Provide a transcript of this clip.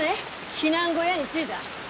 避難小屋に着いだ？